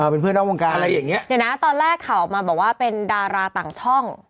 เป็นเพื่อนนอกวงการอะไรอย่างเงี้เดี๋ยวนะตอนแรกข่าวออกมาบอกว่าเป็นดาราต่างช่อง